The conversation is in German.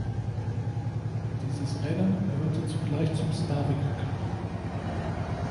Dieses Rennen gehörte zugleich zum Slavic Cup.